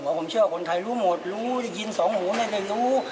ว่าผมเชื่อคนไทยรู้หมดรู้ยินสองหูไม่ได้รู้